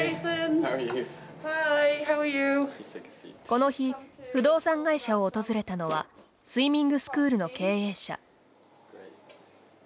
この日、不動産会社を訪れたのはスイミングスクールの経営者。